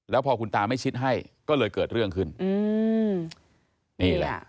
แล้วพอคุณตาไม่ชิดให้ก็เลยเกิดเรื่องขึ้น